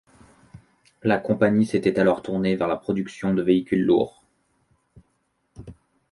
La compagnie s'était alors tournée vers la production de véhicules lourds.